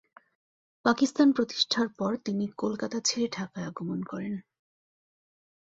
পাকিস্তান প্রতিষ্ঠার পরে তিনি কলকাতা ছেড়ে ঢাকায় আগমন করেন।